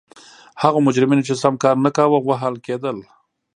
هغو مجرمینو چې سم کار نه کاوه وهل کېدل.